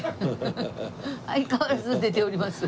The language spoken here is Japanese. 相変わらず寝ております。